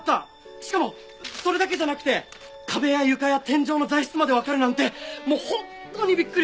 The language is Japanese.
しかもそれだけじゃなくて壁や床や天井の材質までわかるなんてもう本当にびっくり！